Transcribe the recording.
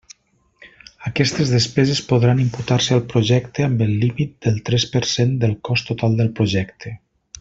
Aquestes despeses podran imputar-se al projecte amb el límit del tres per cent del cost total del projecte.